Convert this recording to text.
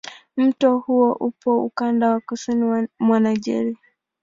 Mto huo upo ukanda wa kusini mwa Nigeria.